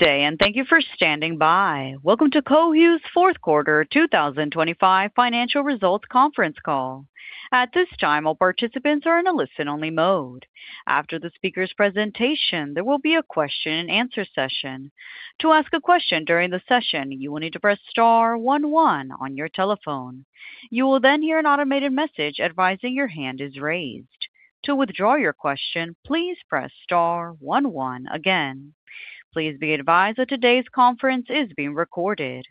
Good day, and thank you for standing by. Welcome to Cohu's fourth quarter 2025 financial results conference call. At this time, all participants are in a listen-only mode. After the speaker's presentation, there will be a question and answer session. To ask a question during the session, you will need to press star one one on your telephone. You will then hear an automated message advising your hand is raised. To withdraw your question, please press star one one again. Please be advised that today's conference is being recorded.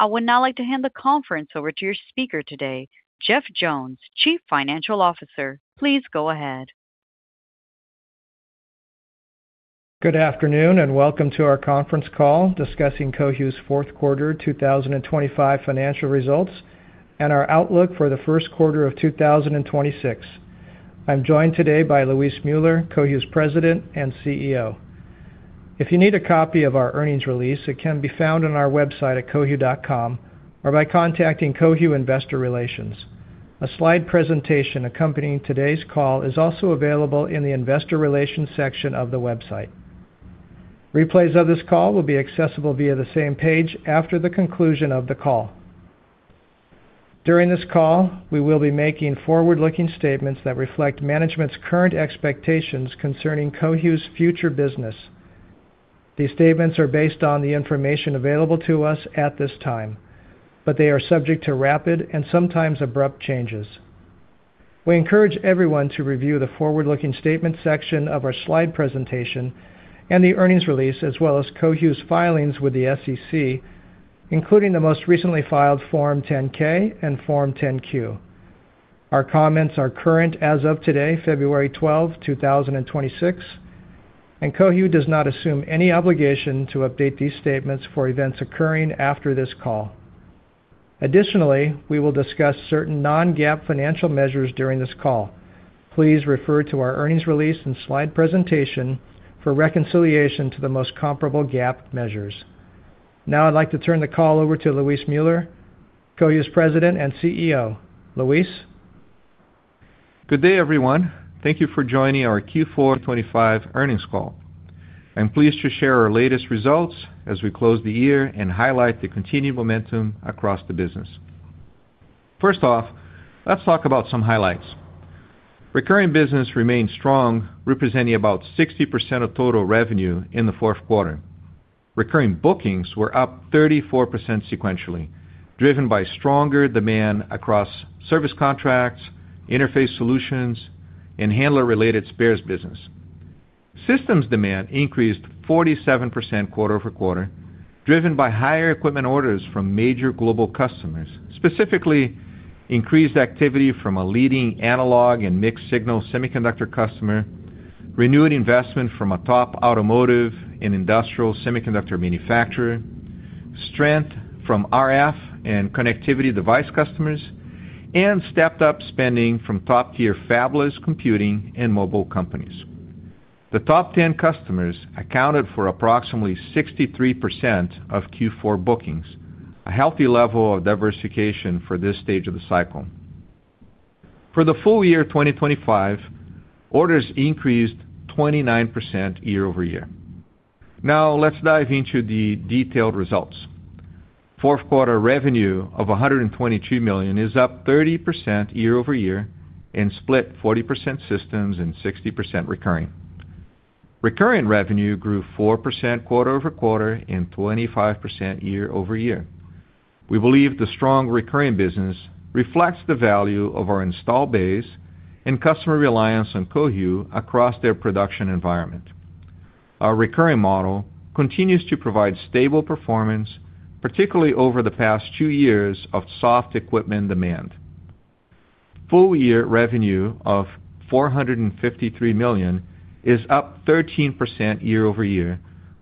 I would now like to hand the conference over to your speaker today, Jeff Jones, Chief Financial Officer. Please go ahead. Good afternoon, and welcome to our conference call discussing Cohu's fourth quarter 2025 financial results, and our outlook for the first quarter of 2026. I'm joined today by Luis Müller, Cohu's President and CEO. If you need a copy of our earnings release, it can be found on our website at cohu.com or by contacting Cohu Investor Relations. A slide presentation accompanying today's call is also available in the investor relations section of the website. Replays of this call will be accessible via the same page after the conclusion of the call. During this call, we will be making forward-looking statements that reflect management's current expectations concerning Cohu's future business. These statements are based on the information available to us at this time, but they are subject to rapid and sometimes abrupt changes. We encourage everyone to review the forward-looking statement section of our slide presentation and the earnings release, as well as Cohu's filings with the SEC, including the most recently filed Form 10-K and Form 10-Q. Our comments are current as of today, February 12, 2026, and Cohu does not assume any obligation to update these statements for events occurring after this call. Additionally, we will discuss certain non-GAAP financial measures during this call. Please refer to our earnings release and slide presentation for reconciliation to the most comparable GAAP measures. Now I'd like to turn the call over to Luis Müller, Cohu's President and CEO. Luis? Good day, everyone. Thank you for joining our Q4 2025 earnings call. I'm pleased to share our latest results as we close the year and highlight the continued momentum across the business. First off, let's talk about some highlights. Recurring business remained strong, representing about 60% of total revenue in the fourth quarter. Recurring bookings were up 34% sequentially, driven by stronger demand across service contracts, interface solutions, and handler-related spares business. Systems demand increased 47% quarter over quarter, driven by higher equipment orders from major global customers. Specifically, increased activity from a leading analog and mixed-signal semiconductor customer, renewed investment from a top automotive and industrial semiconductor manufacturer, strength from RF and connectivity device customers, and stepped up spending from top-tier fabless computing and mobile companies. The top ten customers accounted for approximately 63% of Q4 bookings, a healthy level of diversification for this stage of the cycle. For the full year 2025, orders increased 29% year-over-year. Now, let's dive into the detailed results. Fourth quarter revenue of $122 million is up 30% year-over-year and split 40% systems and 60% recurring. Recurring revenue grew 4% quarter-over-quarter and 25% year-over-year. We believe the strong recurring business reflects the value of our install base and customer reliance on Cohu across their production environment. Our recurring model continues to provide stable performance, particularly over the past 2 years of soft equipment demand. Full year revenue of $453 million is up 13% year-over-year,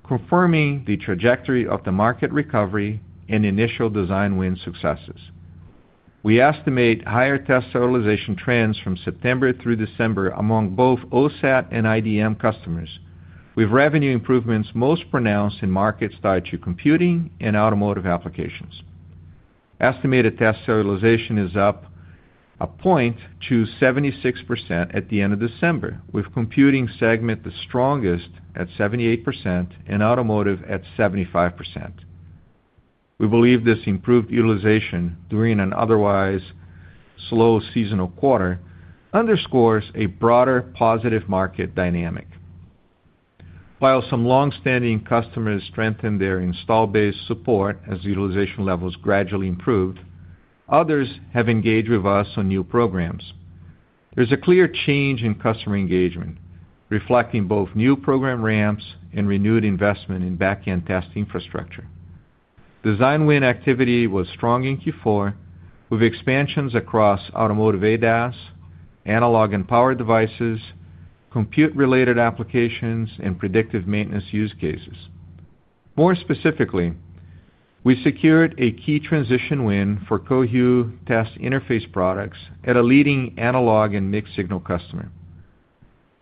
confirming the trajectory of the market recovery and initial design win successes. We estimate higher test utilization trends from September through December among both OSAT and IDM customers, with revenue improvements most pronounced in markets tied to computing and automotive applications. Estimated test utilization is up a point to 76% at the end of December, with computing segment the strongest at 78% and automotive at 75%. We believe this improved utilization during an otherwise slow seasonal quarter underscores a broader positive market dynamic. While some long-standing customers strengthened their install base support as utilization levels gradually improved, others have engaged with us on new programs. There's a clear change in customer engagement, reflecting both new program ramps and renewed investment in back-end test infrastructure. Design win activity was strong in Q4, with expansions across automotive ADAS, analog and power devices, compute-related applications, and predictive maintenance use cases. More specifically, we secured a key transition win for Cohu test interface products at a leading analog and mixed-signal customer.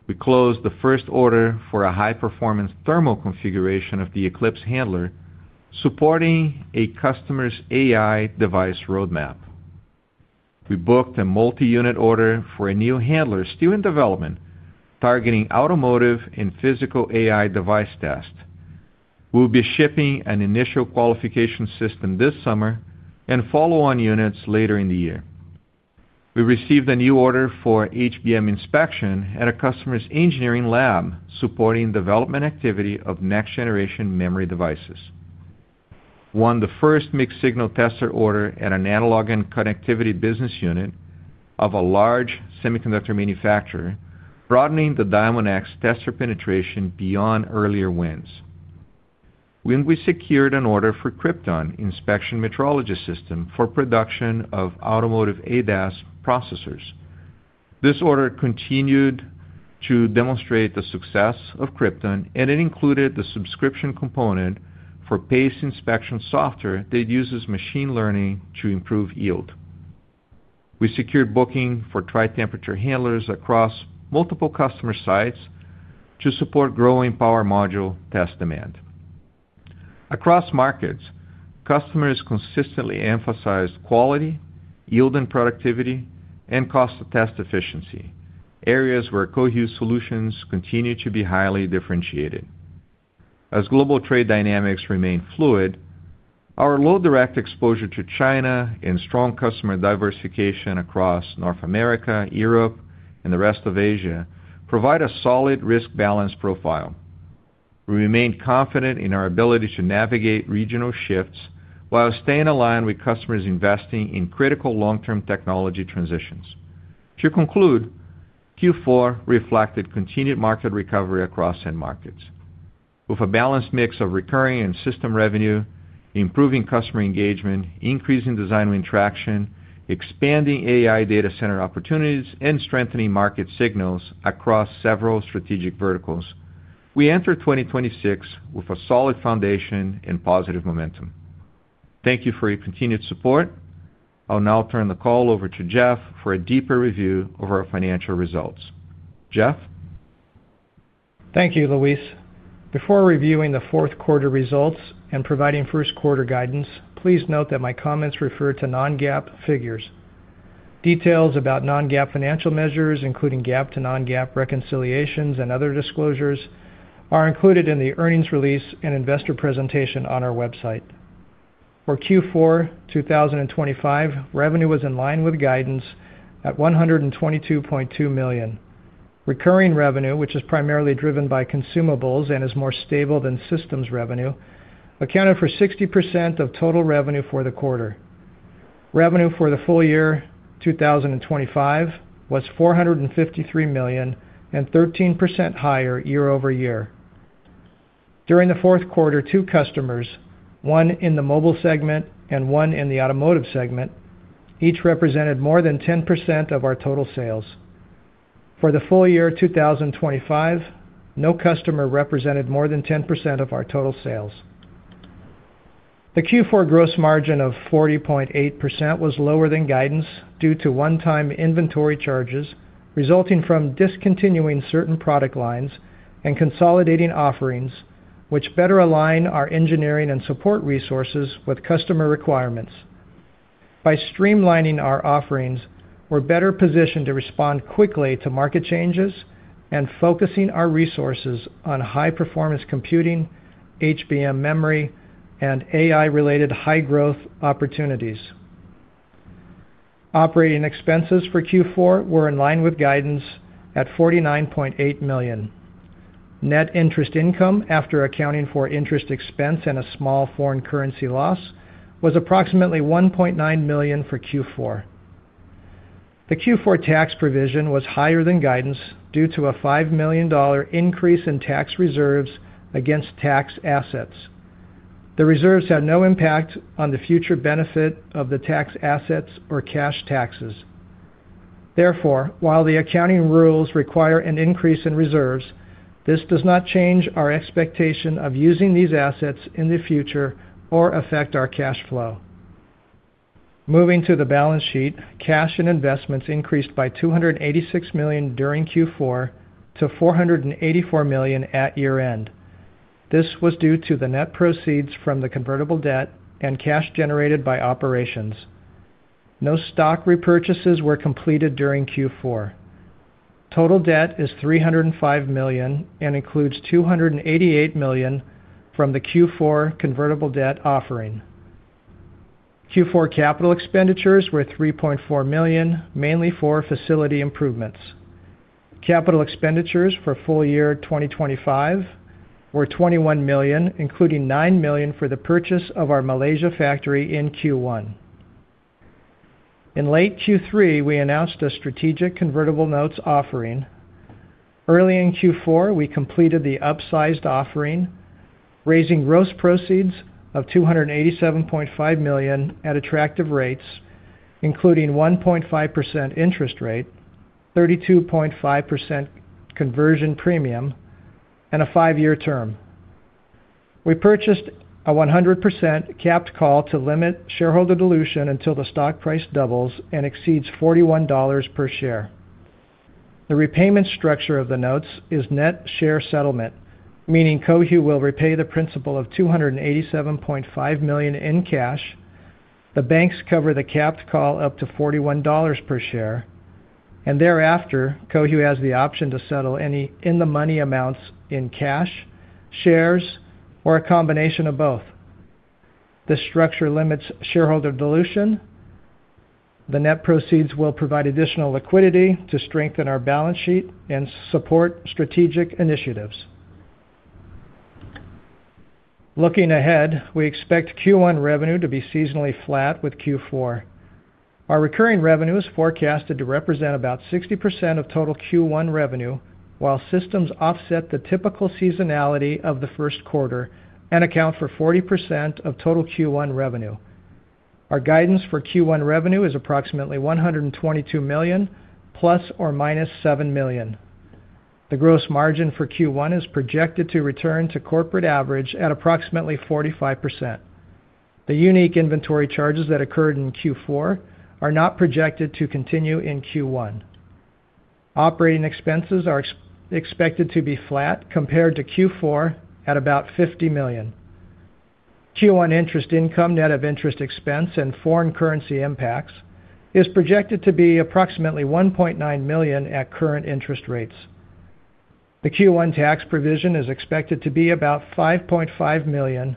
We closed the first order for a high-performance thermal configuration of the Eclipse handler, supporting a customer's AI device roadmap. We booked a multi-unit order for a new handler still in development, targeting automotive and physical AI device tests. We'll be shipping an initial qualification system this summer and follow-on units later in the year. We received a new order for HBM inspection at a customer's engineering lab, supporting development activity of next-generation memory devices. Won the first mixed-signal tester order at an analog and connectivity business unit of a large semiconductor manufacturer, broadening the Diamondx tester penetration beyond earlier wins. When we secured an order for Krypton inspection metrology system for production of automotive ADAS processors. This order continued to demonstrate the success of Krypton, and it included the subscription component for PACE inspection software that uses machine learning to improve yield. We secured booking for tri-temperature handlers across multiple customer sites to support growing power module test demand. Across markets, customers consistently emphasize quality, yield and productivity, and cost of test efficiency, areas where Cohu solutions continue to be highly differentiated. As global trade dynamics remain fluid, our low direct exposure to China and strong customer diversification across North America, Europe, and the rest of Asia provide a solid risk balance profile. We remain confident in our ability to navigate regional shifts while staying aligned with customers investing in critical long-term technology transitions. To conclude, Q4 reflected continued market recovery across end markets. With a balanced mix of recurring and system revenue, improving customer engagement, increasing design win traction, expanding AI data center opportunities, and strengthening market signals across several strategic verticals, we enter 2026 with a solid foundation and positive momentum. Thank you for your continued support. I'll now turn the call over to Jeff for a deeper review of our financial results. Jeff? Thank you, Luis. Before reviewing the fourth quarter results and providing first quarter guidance, please note that my comments refer to non-GAAP figures. Details about non-GAAP financial measures, including GAAP to non-GAAP reconciliations and other disclosures, are included in the earnings release and investor presentation on our website. For Q4 2025, revenue was in line with guidance at $122.2 million. Recurring revenue, which is primarily driven by consumables and is more stable than systems revenue, accounted for 60% of total revenue for the quarter. Revenue for the full year 2025 was $453 million, and 13% higher year-over-year. During the fourth quarter, two customers, one in the mobile segment and one in the automotive segment, each represented more than 10% of our total sales. For the full year 2025, no customer represented more than 10% of our total sales. The Q4 gross margin of 40.8% was lower than guidance due to one-time inventory charges, resulting from discontinuing certain product lines and consolidating offerings, which better align our engineering and support resources with customer requirements. By streamlining our offerings, we're better positioned to respond quickly to market changes and focusing our resources on high-performance computing, HBM memory, and AI-related high-growth opportunities. Operating expenses for Q4 were in line with guidance at $49.8 million. Net interest income, after accounting for interest expense and a small foreign currency loss, was approximately $1.9 million for Q4. The Q4 tax provision was higher than guidance due to a $5 million increase in tax reserves against tax assets. The reserves had no impact on the future benefit of the tax assets or cash taxes. Therefore, while the accounting rules require an increase in reserves, this does not change our expectation of using these assets in the future or affect our cash flow. Moving to the balance sheet, cash and investments increased by $286 million during Q4 to $484 million at year-end. This was due to the net proceeds from the convertible debt and cash generated by operations. No stock repurchases were completed during Q4. Total debt is $305 million and includes $288 million from the Q4 convertible debt offering. Q4 capital expenditures were $3.4 million, mainly for facility improvements. Capital expenditures for full year 2025 were $21 million, including $9 million for the purchase of our Malaysia factory in Q1. In late Q3, we announced a strategic convertible notes offering. Early in Q4, we completed the upsized offering, raising gross proceeds of $287.5 million at attractive rates, including 1.5% interest rate, 32.5% conversion premium, and a 5-year term. We purchased a 100% capped call to limit shareholder dilution until the stock price doubles and exceeds $41 per share. The repayment structure of the notes is net share settlement, meaning Cohu will repay the principal of $287.5 million in cash. The banks cover the capped call up to $41 per share, and thereafter, Cohu has the option to settle any in-the-money amounts in cash, shares, or a combination of both. This structure limits shareholder dilution. The net proceeds will provide additional liquidity to strengthen our balance sheet and support strategic initiatives. Looking ahead, we expect Q1 revenue to be seasonally flat with Q4. Our recurring revenue is forecasted to represent about 60% of total Q1 revenue, while systems offset the typical seasonality of the first quarter and account for 40% of total Q1 revenue. Our guidance for Q1 revenue is approximately $122 million ±$7 million. The gross margin for Q1 is projected to return to corporate average at approximately 45%. The unique inventory charges that occurred in Q4 are not projected to continue in Q1. Operating expenses are expected to be flat compared to Q4 at about $50 million. Q1 interest income, net of interest expense and foreign currency impacts, is projected to be approximately $1.9 million at current interest rates. The Q1 tax provision is expected to be about $5.5 million,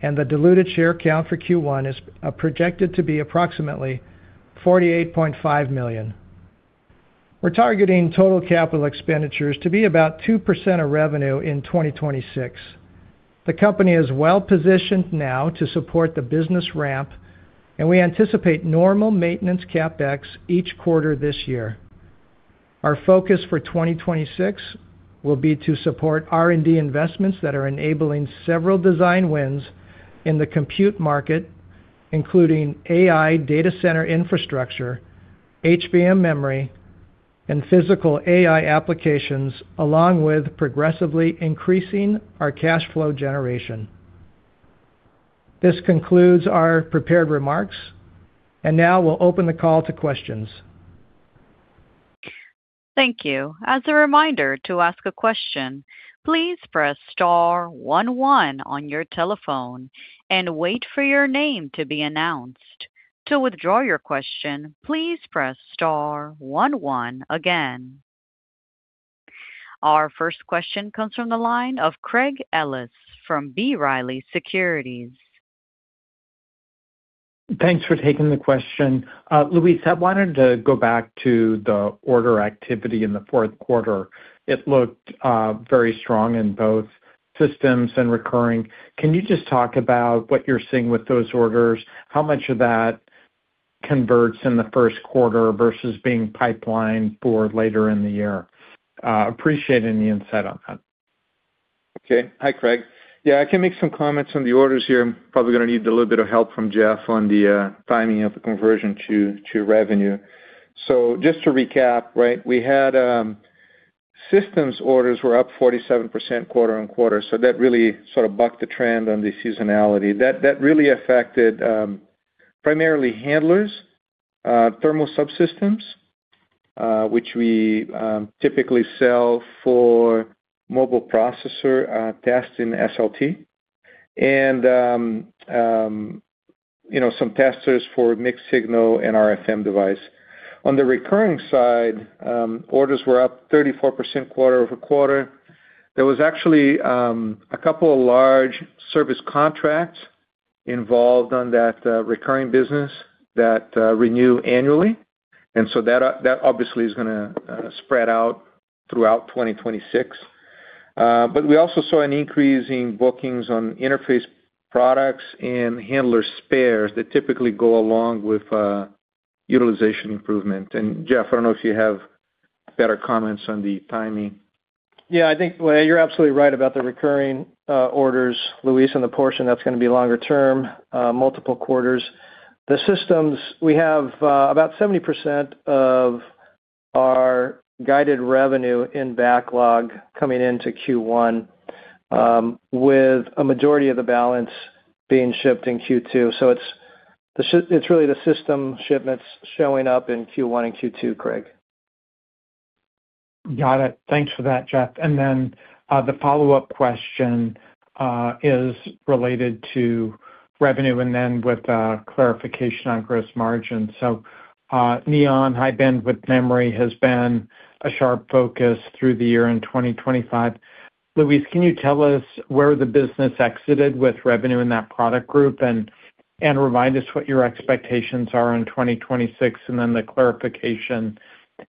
and the diluted share count for Q1 is projected to be approximately 48.5 million. We're targeting total capital expenditures to be about 2% of revenue in 2026. The company is well-positioned now to support the business ramp, and we anticipate normal maintenance CapEx each quarter this year. Our focus for 2026 will be to support R&D investments that are enabling several design wins in the compute market, including AI data center infrastructure, HBM memory, and physical AI applications, along with progressively increasing our cash flow generation. This concludes our prepared remarks, and now we'll open the call to questions. Thank you. As a reminder, to ask a question, please press star one one on your telephone and wait for your name to be announced. To withdraw your question, please press star one one again. Our first question comes from the line of Craig Ellis from B. Riley Securities. Thanks for taking the question. Luis, I wanted to go back to the order activity in the fourth quarter. It looked very strong in both systems and recurring. Can you just talk about what you're seeing with those orders? How much of that converts in the first quarter versus being pipelined for later in the year? Appreciating the insight on that. Okay. Hi, Craig. Yeah, I can make some comments on the orders here. I'm probably gonna need a little bit of help from Jeff on the timing of the conversion to revenue. So just to recap, right? We had systems orders were up 47% quarter-over-quarter, so that really sort of bucked the trend on the seasonality. That really affected primarily handlers, thermal subsystems, which we typically sell for mobile processor tests in SLT, and you know, some testers for mixed-signal and RF device. On the recurring side, orders were up 34% quarter-over-quarter. There was actually a couple of large service contracts involved on that recurring business that renew annually, and so that obviously is gonna spread out throughout 2026. But we also saw an increase in bookings on interface products and handler spares that typically go along with utilization improvement. And Jeff, I don't know if you have better comments on the timing. Yeah, I think, well, you're absolutely right about the recurring orders, Luis, and the portion that's gonna be longer term, multiple quarters. The systems, we have about 70% of our guided revenue in backlog coming into Q1, with a majority of the balance being shipped in Q2. So it's really the system shipments showing up in Q1 and Q2, Craig. Got it. Thanks for that, Jeff. And then, the follow-up question is related to revenue and then with clarification on gross margin. So, Neon high bandwidth memory has been a sharp focus through the year in 2025. Luis, can you tell us where the business exited with revenue in that product group? And remind us what your expectations are in 2026, and then the clarification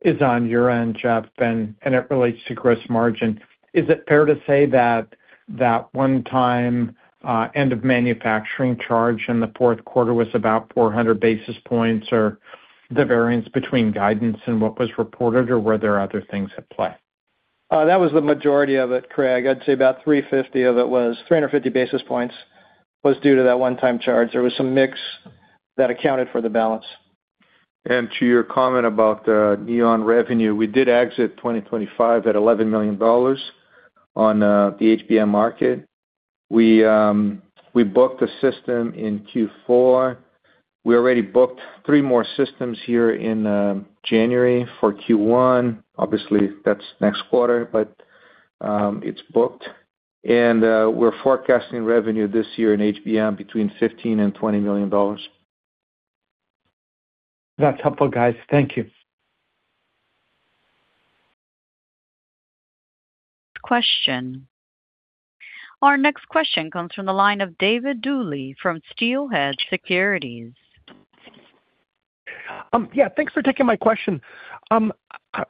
is on your end, Jeff, and it relates to gross margin. Is it fair to say that that one-time end-of-manufacturing charge in the fourth quarter was about 400 basis points, or the variance between guidance and what was reported, or were there other things at play? That was the majority of it, Craig. I'd say about 350 of it was, 350 basis points was due to that one-time charge. There was some mix that accounted for the balance. And to your comment about the Neon revenue, we did exit 2025 at $11 million on the HBM market. We booked a system in Q4. We already booked three more systems here in January for Q1. Obviously, that's next quarter, but it's booked. And we're forecasting revenue this year in HBM between $15 million and $20 million. That's helpful, guys. Thank you. Question. Our next question comes from the line of David Duley from Steelhead Securities. Yeah, thanks for taking my question. I,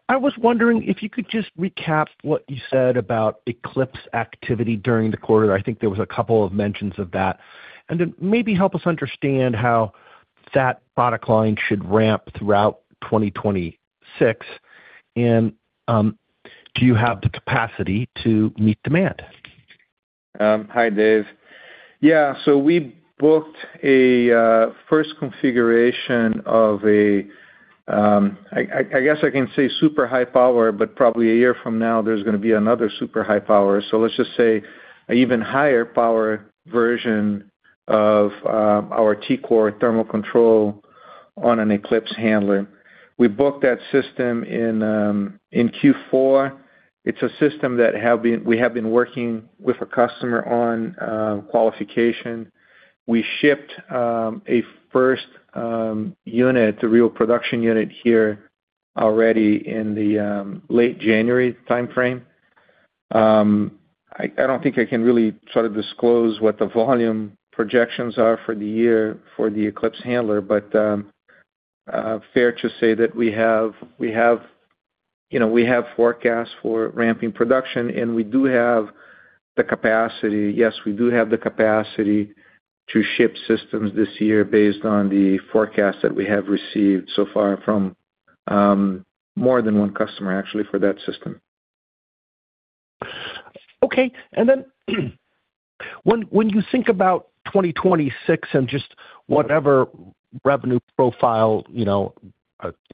I was wondering if you could just recap what you said about Eclipse activity during the quarter. I think there was a couple of mentions of that. Then maybe help us understand how that product line should ramp throughout 2026. Do you have the capacity to meet demand? Hi, Dave. Yeah, so we booked a first configuration of a, I guess I can say super high power, but probably a year from now, there's gonna be another super high power. So let's just say, an even higher power version of our T-Core thermal control on an Eclipse handler. We booked that system in Q4. It's a system we have been working with a customer on qualification. We shipped a first unit, the real production unit here already in the late January timeframe. I don't think I can really sort of disclose what the volume projections are for the year for the Eclipse handler, but fair to say that we have, you know, we have forecasts for ramping production, and we do have the capacity. Yes, we do have the capacity to ship systems this year based on the forecast that we have received so far from more than one customer, actually, for that system. Okay. And then, when you think about 2026 and just whatever revenue profile, you know,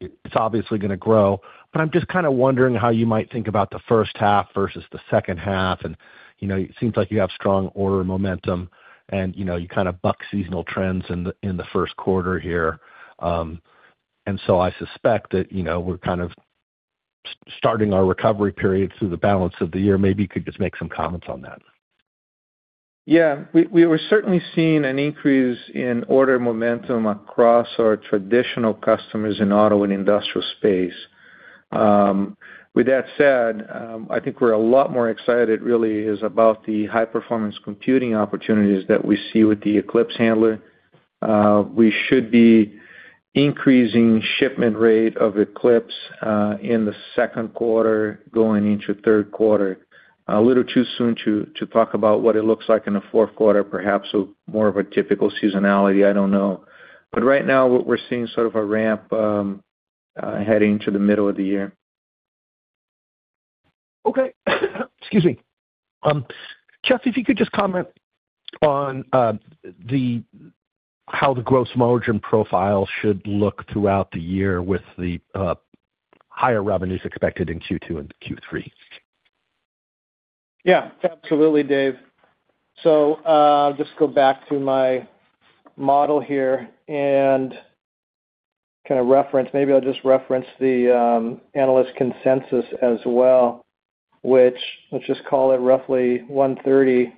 it's obviously gonna grow, but I'm just kind of wondering how you might think about the first half versus the second half. And, you know, it seems like you have strong order momentum, and, you know, you kind of buck seasonal trends in the first quarter here. And so I suspect that, you know, we're kind of starting our recovery period through the balance of the year. Maybe you could just make some comments on that. Yeah. We were certainly seeing an increase in order momentum across our traditional customers in auto and industrial space. With that said, I think we're a lot more excited really is about the high-performance computing opportunities that we see with the Eclipse handler. We should be increasing shipment rate of Eclipse in the second quarter, going into third quarter. A little too soon to talk about what it looks like in the fourth quarter. Perhaps more of a typical seasonality, I don't know. But right now, what we're seeing sort of a ramp heading to the middle of the year. Okay. Excuse me. Jeff, if you could just comment on how the gross margin profile should look throughout the year with the higher revenues expected in Q2 and Q3. Yeah, absolutely, Dave. So, just go back to my model here and kind of reference. Maybe I'll just reference the analyst consensus as well, which let's just call it roughly $130 million,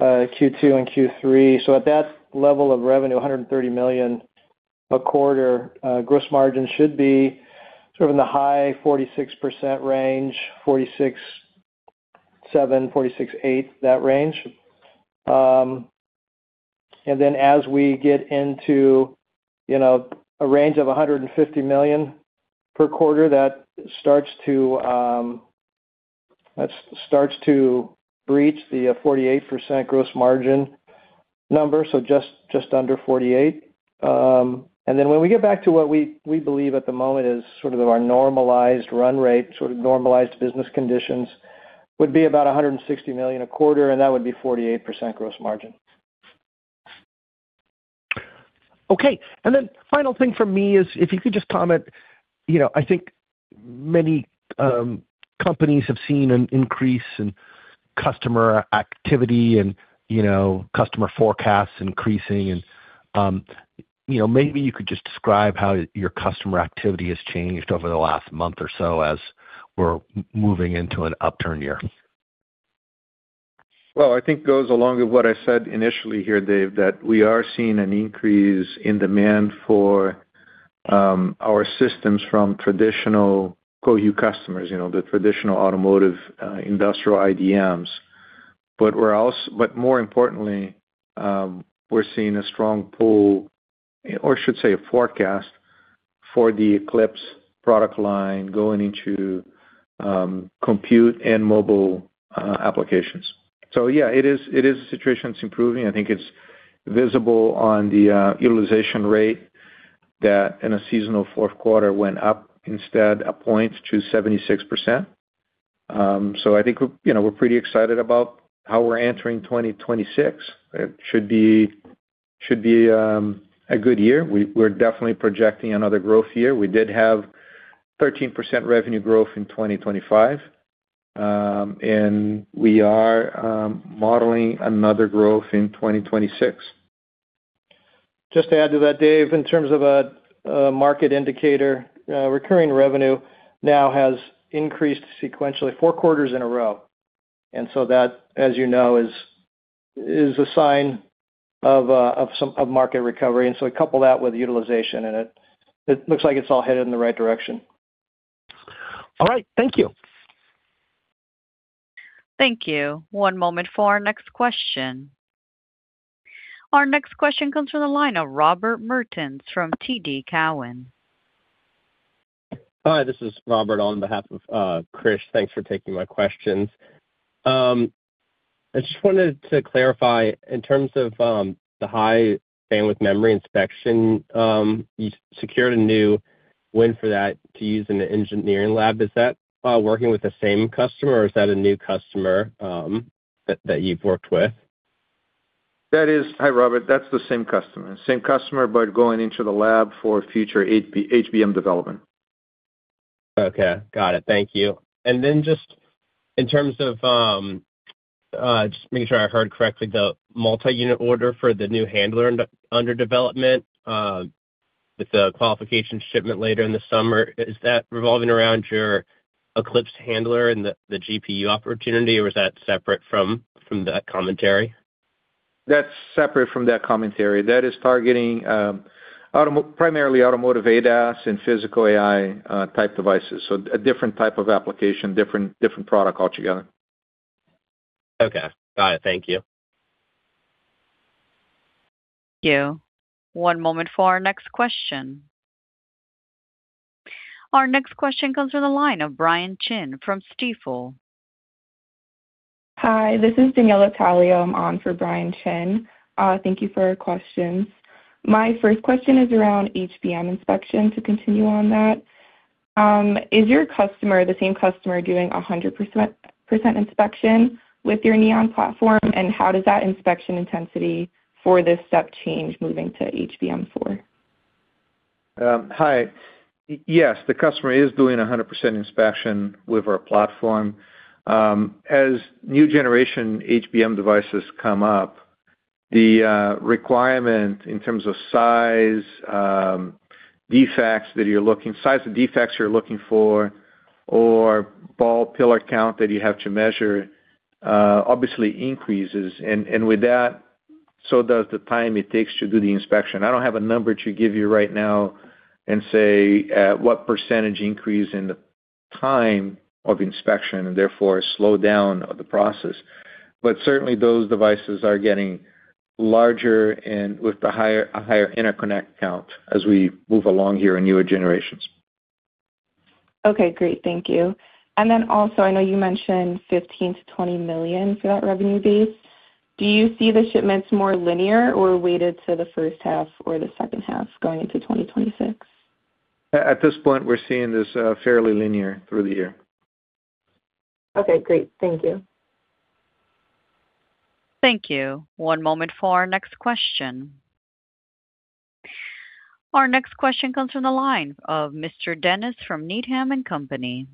Q2 and Q3. So at that level of revenue, $130 million a quarter, gross margin should be sort of in the high 46% range, 46.7, 46.8, that range. And then as we get into, you know, a range of $150 million per quarter, that starts to breach the 48% gross margin number, so just, just under 48%. And then when we get back to what we believe at the moment is sort of our normalized run rate, sort of normalized business conditions, would be about $160 million a quarter, and that would be 48% gross margin. Okay. And then final thing for me is, if you could just comment, you know, I think many companies have seen an increase in customer activity and, you know, customer forecasts increasing and, you know, maybe you could just describe how your customer activity has changed over the last month or so as we're moving into an upturn year. Well, I think goes along with what I said initially here, Dave, that we are seeing an increase in demand for our systems from traditional quote, "customers," you know, the traditional automotive, industrial IDMs. But we're also, but more importantly, we're seeing a strong pull, or should say, a forecast for the Eclipse product line going into compute and mobile applications. So yeah, it is a situation that's improving. I think it's visible on the utilization rate that in a seasonal fourth quarter went up instead a point to 76%. So I think we're, you know, we're pretty excited about how we're entering 2026. It should be a good year. We're definitely projecting another growth year. We did have 13% revenue growth in 2025. We are modeling another growth in 2026. Just to add to that, Dave, in terms of a market indicator, recurring revenue now has increased sequentially four quarters in a row. And so that, as you know, is a sign of some market recovery. And so couple that with utilization, and it looks like it's all headed in the right direction. All right, thank you. Thank you. One moment for our next question. Our next question comes from the line of Robert Mertens from TD Cowen. Hi, this is Robert, on behalf of Krish. Thanks for taking my questions. I just wanted to clarify in terms of the High Bandwidth Memory inspection you secured a new win for that to use in the engineering lab. Is that working with the same customer, or is that a new customer that you've worked with? Hi, Robert. That's the same customer. Same customer, but going into the lab for future HBM development. Okay, got it. Thank you. And then just in terms of just making sure I heard correctly, the multi-unit order for the new handler under development with the qualification shipment later in the summer, is that revolving around your Eclipse handler and the GPU opportunity, or is that separate from that commentary? That's separate from that commentary. That is targeting primarily automotive ADAS and physical AI type devices. So a different type of application, different product altogether. Okay, got it. Thank you. One moment for our next question. Our next question comes from the line of Brian Chin from Stifel. Hi, this is Daniela Talio. I'm on for Brian Chin. Thank you for questions. My first question is around HBM inspection, to continue on that. Is your customer the same customer doing 100% inspection with your Neon platform, and how does that inspection intensity for this step change moving to HBM4? Hi. Yes, the customer is doing 100% inspection with our platform. As new generation HBM devices come up, the requirement in terms of size, defects that you're looking, size of defects you're looking for, or ball pillar count that you have to measure, obviously increases. And with that, so does the time it takes to do the inspection. I don't have a number to give you right now and say, what percentage increase in the time of inspection and therefore slow down of the process. But certainly, those devices are getting larger and with a higher interconnect count as we move along here in newer generations. Okay, great. Thank you. And then also, I know you mentioned $15-$20 million for that revenue base. Do you see the shipments more linear or weighted to the first half or the second half going into 2026? At this point, we're seeing this fairly linear through the year. Okay, great. Thank you. Thank you. One moment for our next question. Our next question comes from the line of Mr. Denis from Needham and Company.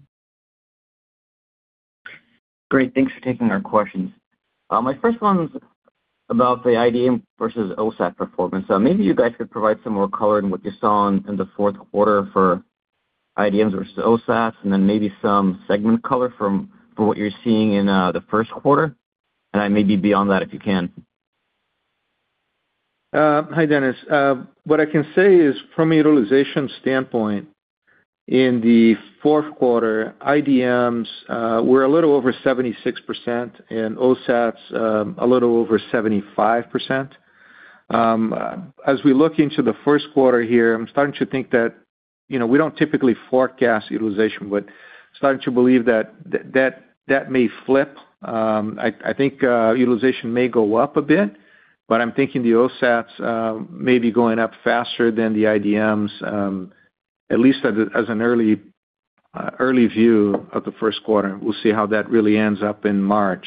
Great. Thanks for taking our questions. My first one's about the IDM versus OSAT performance. So maybe you guys could provide some more color in what you saw in the fourth quarter for IDMs versus OSATs, and then maybe some segment color from what you're seeing in the first quarter, and maybe beyond that, if you can. Hi, Dennis. What I can say is, from a utilization standpoint, in the fourth quarter, IDMs were a little over 76%, and OSATs a little over 75%. As we look into the first quarter here, I'm starting to think that, you know, we don't typically forecast utilization, but starting to believe that that may flip. I think utilization may go up a bit, but I'm thinking the OSATs may be going up faster than the IDMs, at least as an early view of the first quarter. We'll see how that really ends up in March.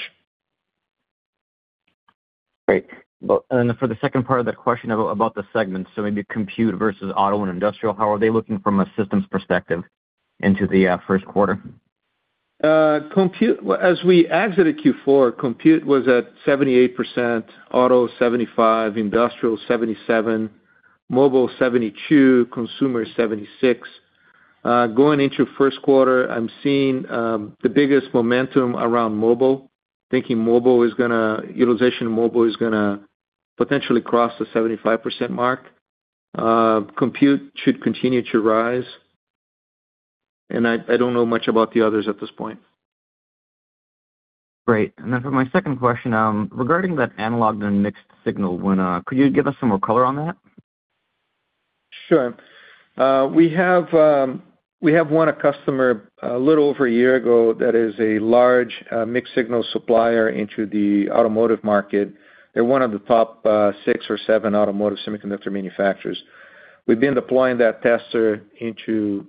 Great. Well, and for the second part of that question about the segments, so maybe compute versus auto and industrial, how are they looking from a systems perspective into the first quarter? Compute, as we exited Q4, compute was at 78%, auto 75%, industrial 77%, mobile 72%, consumer 76%. Going into first quarter, I'm seeing the biggest momentum around mobile. Utilization in mobile is gonna potentially cross the 75% mark. Compute should continue to rise, and I don't know much about the others at this point. Great. And then for my second question, regarding that analog and mixed-signal win, could you give us some more color on that? Sure. We have won a customer a little over a year ago that is a large, mixed-signal supplier into the automotive market. They're one of the top, six or seven automotive semiconductor manufacturers. We've been deploying that tester into,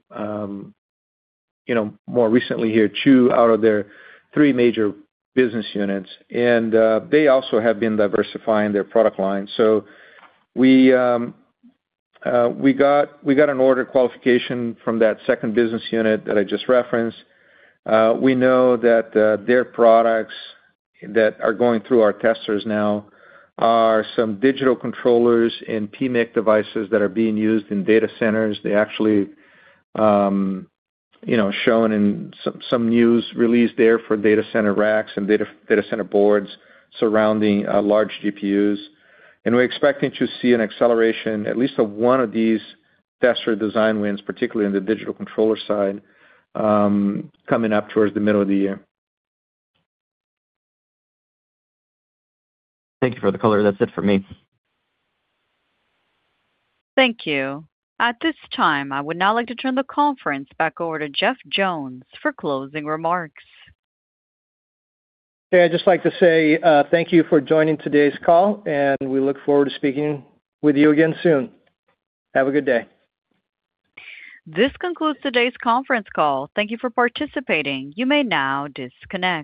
you know, more recently here, two out of their three major business units. And, they also have been diversifying their product line. So we, we got an order qualification from that second business unit that I just referenced. We know that, their products that are going through our testers now are some digital controllers and PMIC devices that are being used in data centers. They actually, you know, shown in some news release there for data center racks and data center boards surrounding, large GPUs. We're expecting to see an acceleration, at least of one of these tester design wins, particularly in the digital controller side, coming up towards the middle of the year. Thank you for the color. That's it for me. Thank you. At this time, I would now like to turn the conference back over to Jeff Jones for closing remarks. Hey, I'd just like to say, thank you for joining today's call, and we look forward to speaking with you again soon. Have a good day. This concludes today's conference call. Thank you for participating. You may now disconnect.